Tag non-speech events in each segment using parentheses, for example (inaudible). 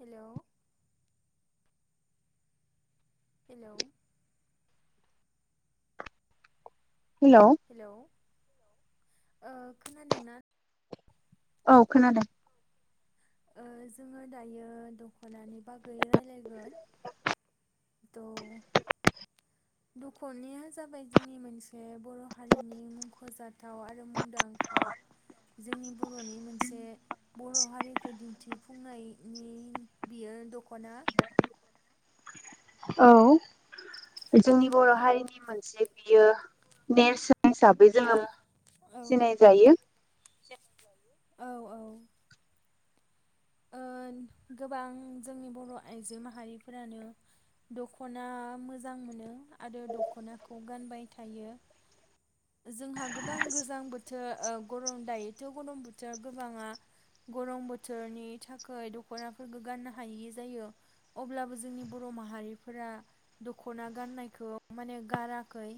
हेल' hello hello ओ खोनादोंना? औ खोनादों ओ जोङो दायो दखनानि बागै रायलायगोन। थ' दखनायया जाबाय जोंनि मोनसे बर' हारिनि मुंखजाथाव आरो मुंदांखा जोंनि बर'नि मोनसे बर' हारि खो दिन्थिफुंनायनि बियो दखना औ जोंनि बर' हारिनि मोनसे बियो नेरसोन हिसाबै बियो जोङो औ सिनाय जायो। औ होन गोबां जोंनि बर 'आइजो माहारिफोरानो दख'ना मोजां मोनो आरो दख'नाखौ गानबाय थायो। जोंहा गोबां गोजां बोथोर ओ गरम दायोथ गरम बोथोर गोबाङा गरम बोथोरनि था खोय दखनाफोरखौ गाननो हायि जायो अब्लाबो जोंनि बर' माहारिफोरा दखना गाननायखौ माने गाराखै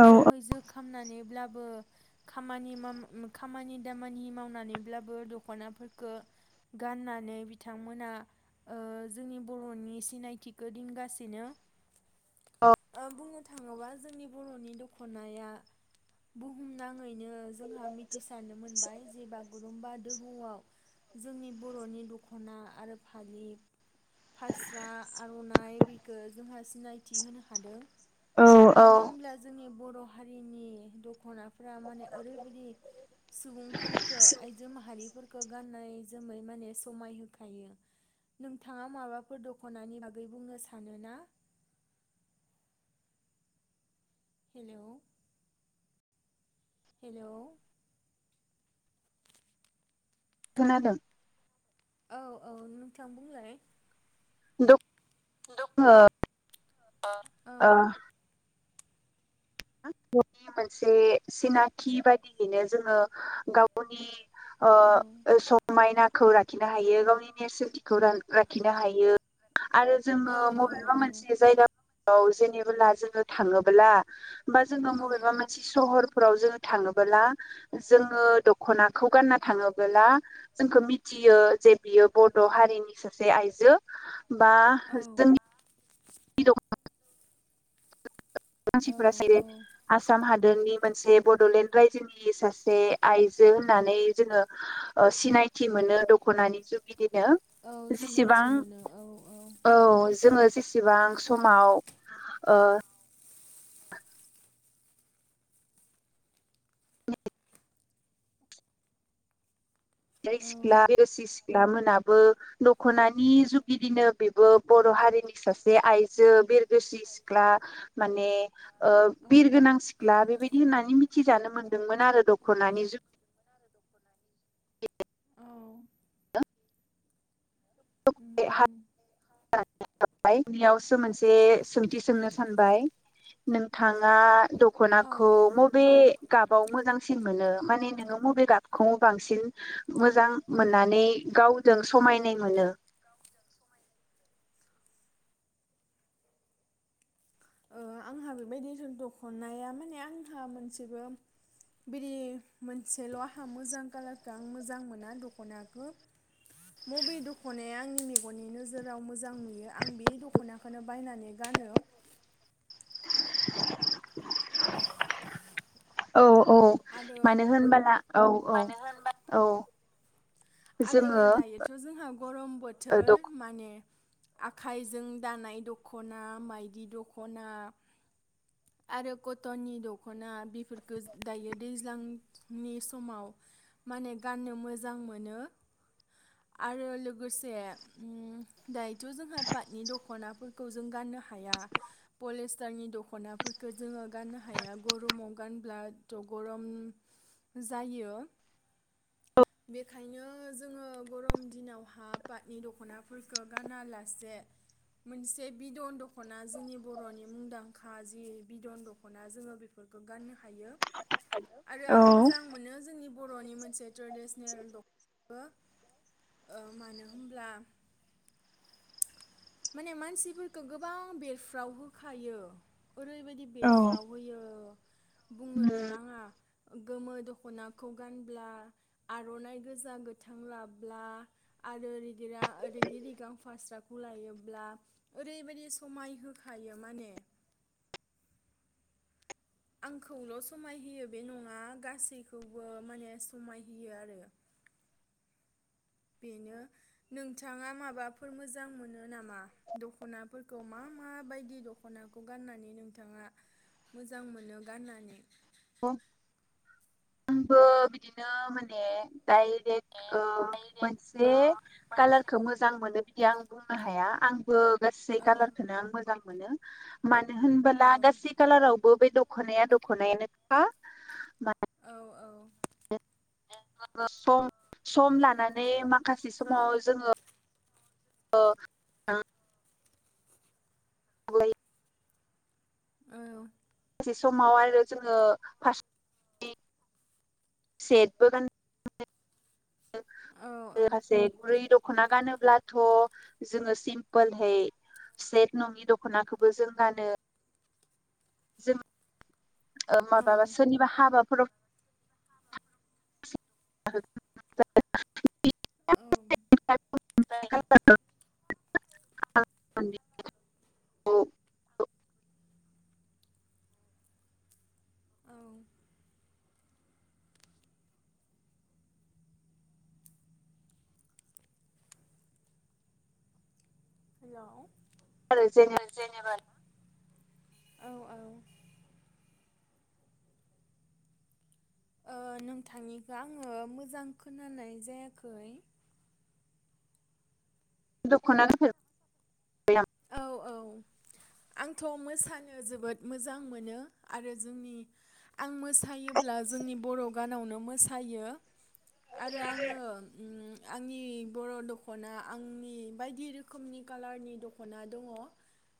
औ जोब खामनानैब्लाबो खामानि माम म मो खामानि दामानि मावनानैब्लाबो दखनाफोरखौ गाननानै बिथांमोना ओ जोंनि बर'नि सिनायथिखौ दोनगासिनो। ओ बुंनो थाङोबा जोंनि बर'नि दख'नाया बुहुमनाङैनो जोंहा मिथिसारनो मोनबाय जे बागुरुमबा दोहौआव जोंनि बर'नि दख'ना आरो फालि फास्रा, आरनाइ बेखो जोंहा सिनायथि होनो हादों। औ मानो होमब्ला जोंनि बर' हारिनि दखनाफ्रा माने ओरैबायदि सुबुंफोरफोरखौ आइजो माहारिफोरफोरखौ गाननाय जोमै माने समाय होखायो। नोंथाङा माबाफोर दखनानि बागै बुंनो सानोना? हेलौ हेल खोनादों? औ औ नोंथां बुंलाय। दं (unintelligible) ओ औ (unintelligible) नि मोनसे सिनाखि बायदियैनो जोङो गावनि ओ औ समायनाखौ लाखिनो हायो। गावनि नेरसोनथिखौ ला-लाखिनो हायो। आरो जोङो मबेबा मोनसे जायगा औ जेनेबोला जोङो थाङोब्ला बा जोङो मबेबा मोनसे सहर फोराव जोङो थाङोबोला जोङो दखनाखौ गानना थाङोबोला जोंखौ मिथियो जे बियो बड' हारिनि सासे आइजो। बा जोंनि औ (unintelligible) औ मानसिफोरा जेरै औ आसाम हादोरनि मोनसे बडलेण्ड रायजोनि सासे आइजो होननानै जोङो ओ सिनायथि मोनो दखनानि जुगिदि यो औ सिनायथि जेसेबां मोनो औ औ जोङो जेसेबां समाव जाय औ सिख्ला बिरगोस्रि सिख्ला मोनाबो दखनानि जुगिदिनो बेबो बर हारिनि सासे आइजो बेरगोस्रि सिख्ला माने ओ औ बिर गोनां सिख्ला बेबायदि होननानै मि थिजानो मोन्दोंमोन आरो दखनानि जुग औ उम उम (unintelligible) (unintelligible) बेयावसो मोनसे सोंथि सोंनो सानबाय नोंथाङा औ दखनाखौ मबे गाबाव मोजांसिन मोनो माने नोङो मबे गाबखौ बांसिन मोजां मोननानै गावजों समायनाय मोनो? ओ आंहा बेबायदि दखनाया माने आंहा मोनसेबो बिदि मोनसेल आंहा मोजां कालारखौ आं मोजां मोना दखनाखो मबे दखनाया आंनि मेगननि नोजोराव मोजां नुयो आं बे दखनाखौनो बायनानै गानो। औ औ आरो मानो होनबोला औ औ मानो होनबा औ आरो जोङो दायोथ जोंहा गरम बोथोर दख माने आखाइजों दानाय दखना मायदि दखना आरो खतननि दखना बेफोरखौ दायो दैज्लांनि समाव माने गाननो मोजां मोनो। आरो लोगोसे उम दा जोंहा पाटनि द' खनाफोरखौ जों गाननो हाया पलिस्टारनि दखनाफोरखौ जोङो गाननो हाया गरमाव गानब्लाथ गरम जायो बेखायनो जोङो गरम दिनाव हा पातनि दखनाफोरखौ गाना लासे मोनसे बिदन दखना जोंनि बरनि मुंदांखा जि बिदन दखना जोङो बेफोरखौ गाननो हायो। आरो औ आं मोजां मोनो जोंनि बरनि मोनसे ट्रेडिसनेल द' (unintelligible) ओ मानो होमब्ला माने मानसिफोरखौ गोबां बेरफ्राव होखायो। ओरैबायदि औ बेफ्राव होयो बुंनोनो नाङा। गोमो दखनाखौ गानब्ला आरनाइ गोजा गोथां लाब्ला आरो रिगिरा रिगिर रिगां फास्राखौ लायो ब्ला ओरै बायदि समाय होखायो माने। आंखौल समाय होयो बे नङा गासैखौबो माने समाय होयो आरो। बेनो नोंथाङा माबाफोर मोजां मोनो नामा दखनाफोरखौ मा मा बायदि दखनाखौ गाननानै नोंथाङा मोजां मोनो गाननानै। (inaudible) आंबो बिदिनो माने। डाइरेक्ट ओ मोनसे कालारखौ मोजां मोनो। बिदि आं बुंनो हाया आं बो गासै औ कालारखौनो आं मोजां मोनो मा औ होनबोला गासै कालाराव बो बे दखनाया दखनायानो खा मा औ सम सम लानानै माखासे समाव जोङो (inaudible) (inaudible) औ। बे समाव आरो जोङो (unintelligible) सेटबो गान (inaudible) औ माखासे गुरै दख दखना गानोब्लाथ जोङो सिम्पोलहै सेट नङि दखनाखौबो जों गानो। ओ औ माबाबा सोरनिबा हाबाफोराव। (inaudible) (inaudible) (inaudible) औ। हेलौ। आरो जेने (unintelligible) औ औ। ओ नोंथांनिखौ आङो मोजां खोनानाय जायाखै। (unintelligible) औ औ आंथ मोसानो जोबोद मोजां मोनो आरो जोंनि आं मोसायोब्ला जोंनि बर गानावनो मोसायो आरो आङो ओम आंनि बर' दखना आंनि बायदि रोखोमनि कालारनि द खना दङ।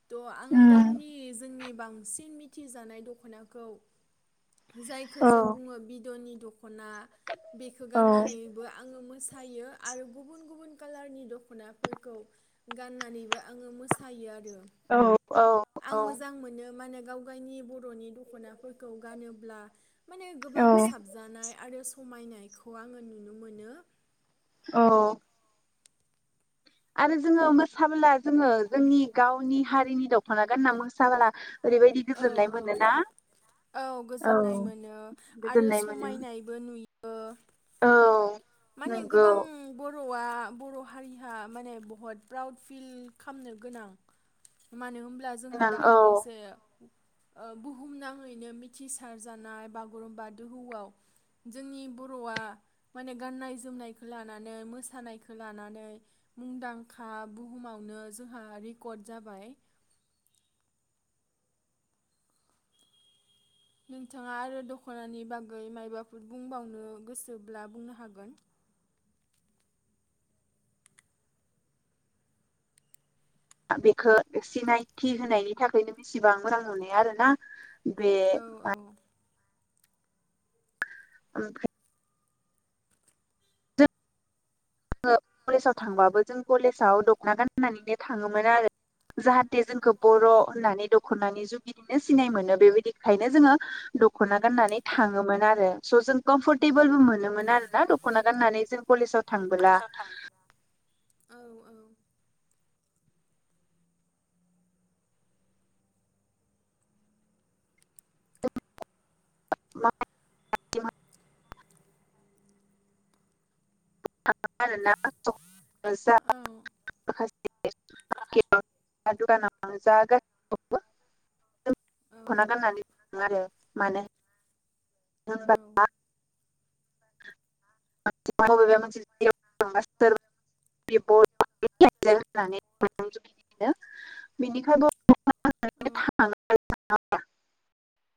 थ आं औ गावनि जोंनि बांसिन मिथिजानाय दखनाखौ। जायखौ जों बुङो बिदनि द खना बेखौ गाननानैबो आङो मोसा हायो आरो गुबुन गुबुन कालारनि दखनाफोरखौ गाननानैबो आङो मोसायो आरो औ औ आं मोजां मोनो। मानो गाव गावनि बर'नि दखनाफोरखौ गानोब्ला माने गोबां साबजानाय आरो समायनायखौ आङो नुनो मोनो। औ। आरो जोङो मोसाबोला जोङो जोंनि गावनि हारिनि दखना गानना मोसाबोला ओरैबायदि औ गोजोननाय औ मोनोना औ गोजोननाय मोनो आरो गोजोननाय मोनो समायनायबो नुयो। औ माने नंगौ गोबां बर' बर'आ बर' हारिहा माने बहुत प्राउड फिल खालामनो गोनां मानो होन अब्ला जोंहा गोनां औ दाखालिसो ओ बुहुमनाङैनो मिथिसार जानाय बागुरुम्बा दोहौआव जोंनि बर'आ माने गाननाय जोमनायखौ लानानै मोसानायखौ लानानै मुंदांखा बुहुमावनो जोंहा रेकर्ड जाबाय। नोंथाङा आरो दखनानि बागै मायबाफोर बुंबावनो गोसोब्ला बुंनो हागोन। बेखौ सिनायथि होनायनि थाखायनो बेसेबां मोजां नुनाय आरो ना बे औ औ ओफ्राय जोङो कलेजाव थांबाबो जों कलेजाव दखना गाननानैनो थाङोमोन आरो जाहाथे जोंखौ बर' होननानै दखनानि जुनैनो बिदिनो सिनाय मोनो बेबायदिखायनो जोङो दखना गाननानै थाङोमोन आरो स जों कम्फर्टेबोलबो मोनोमोन आरोना दखना गाननानै जों कलेजाव था पुलिसाव थांना (unintelligible) थाओ आरो ना जा औ माखासे (unintelligible) (unintelligible) माखासे जों दखना औ गनानैनानै आरो माने होनबा औ ना औ (unintelligible)